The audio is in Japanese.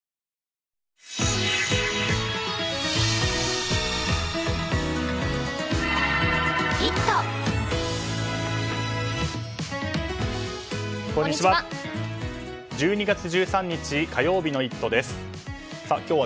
こんにちは。